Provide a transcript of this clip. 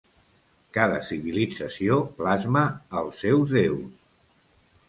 Cada civilització plasma els seus déus.